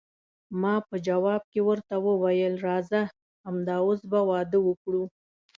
ما په جواب کې ورته وویل، راځه همد اوس به واده وکړو.